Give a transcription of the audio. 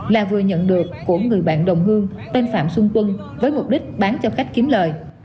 là vừa nhận được của người bạn đồng hương tên phạm xuân quân với mục đích bán cho khách kiếm lời